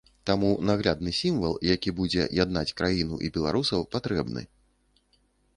Таму наглядны сімвал, які будзе яднаць краіну і беларусаў патрэбны.